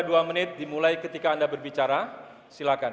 dua menit dimulai ketika anda berbicara silakan